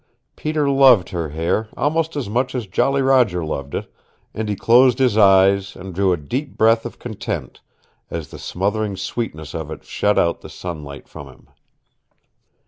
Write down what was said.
Peter loved her hair, almost as much as Jolly Roger loved it, and he closed his eyes and drew a deep breath of content as the smothering sweetness of it shut out the sunlight from him.